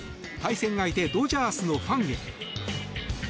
対戦相手ドジャースのファンへ。